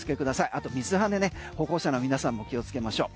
あと水はね歩行者の皆さんも気をつけましょう。